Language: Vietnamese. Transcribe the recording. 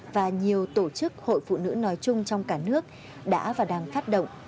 và nhiều tổ chức hội phụ nữ nói chung trong cả nước đã và đang phát động